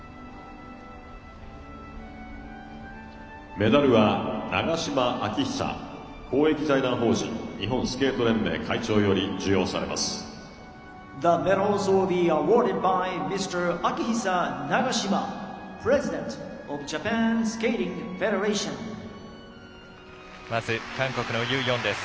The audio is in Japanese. メダルは長島昭久公益財団法人日本スケート連盟会長より授与されます。